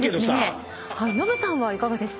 ノブさんはいかがでした？